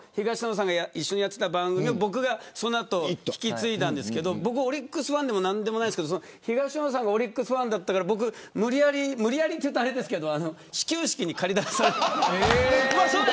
東野さんがやっていた番組を僕がその後、引き継いだんですが僕はオリックスファンでもなんでもないですが東野さんがファンだったから無理やりというとあれですけど始球式にかり出された。